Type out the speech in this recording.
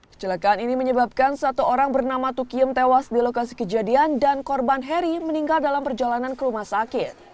kecelakaan ini menyebabkan satu orang bernama tukiem tewas di lokasi kejadian dan korban heri meninggal dalam perjalanan ke rumah sakit